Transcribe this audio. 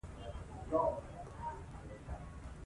کانديد اکاډميسن عطايي د خلکو له منځه الفاظ راټول کړي دي.